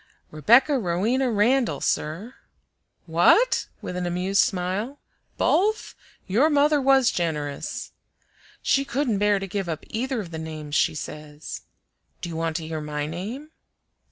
"Rebecca Rowena Randall, sir." "What?" with an amused smile. "BOTH? Your mother was generous." "She couldn't bear to give up either of the names she says." "Do you want to hear my name?"